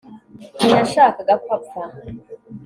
ntiyashakaga ko apfa